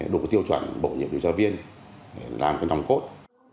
đủ tiêu chuẩn bổ nhiệm điều tra viên làm cái nòng cốt